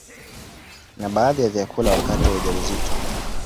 na baadhi ya vyakula wakati wa ujauzito